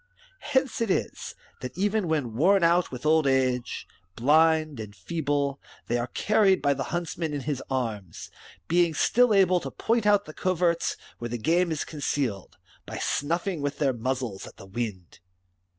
^^ Hence it is, that even when worn out with old age, blind, and feeble, they are carried by the huntsman in his arms, being still able to point out the coverts where the game is concealed, by snuffing with their muzzles at the wind.